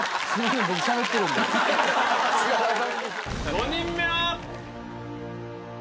５人目は。